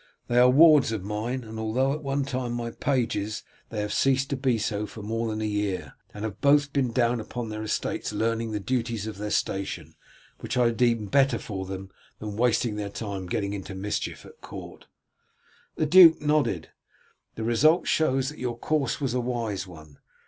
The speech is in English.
They are wards of mine, and although at one time my pages they have ceased to be so for more than a year, and have both been down upon their estates learning the duties of their station, which I deemed better for them than wasting their time and getting into mischief at court." The duke nodded. "The result shows that your course was a wise one.